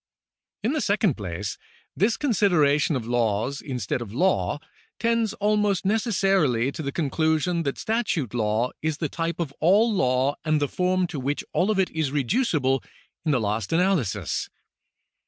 In the second place, this consideration of laws instead of law tends almost necessarily to the conclusion that statute law is the type of all law and the form to which all of it is reducible in the last analysis.